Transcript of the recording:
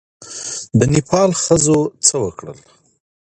د نېپال ښځو څه وکړل؟